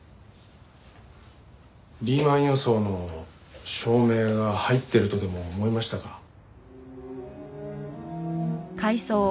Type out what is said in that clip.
リーマン予想の証明が入ってるとでも思いましたか？